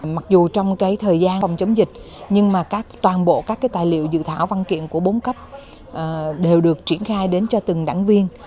mặc dù trong thời gian phòng chống dịch nhưng mà toàn bộ các tài liệu dự thảo văn kiện của bốn cấp đều được triển khai đến cho từng đảng viên